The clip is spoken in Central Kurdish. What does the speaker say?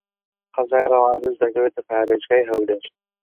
قەزای ڕەواندز دەکەوێتە پارێزگای هەولێر.